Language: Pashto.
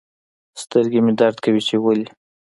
سترګي مي درد کوي چي ولي